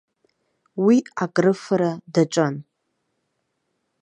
Уи акрыфара даҿын.